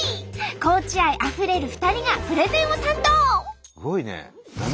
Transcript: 高知愛あふれる２人がプレゼンを担当！